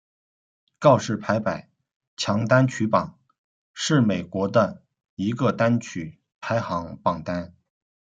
告示牌百强单曲榜是美国的一个单曲排行榜单。